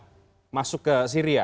yang masuk ke syria